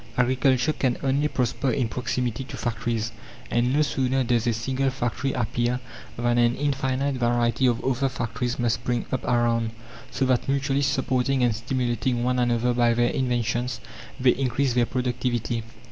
Agriculture can only prosper in proximity to factories. And no sooner does a single factory appear than an infinite variety of other factories must spring up around, so that, mutually supporting and stimulating one another by their inventions, they increase their productivity.